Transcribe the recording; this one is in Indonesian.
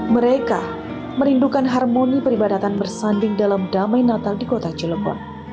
mereka merindukan harmoni peribadatan bersanding dalam damai natal di kota cilegon